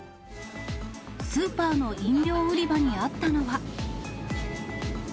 スーパーの飲料売り場にあったのは。